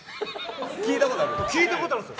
聞いたことあるんです。